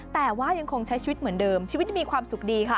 แต่ว่ายังคงใช้ชีวิตเหมือนเดิมชีวิตยังมีความสุขดีค่ะ